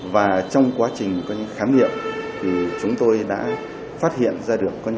và trong quá trình khám nghiệm thì chúng tôi đã phát hiện ra được những